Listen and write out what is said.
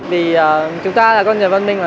vì chúng ta là con nhà văn minh